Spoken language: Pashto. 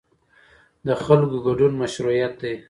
د خلکو ګډون مشروعیت دی